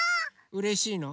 うれしいの？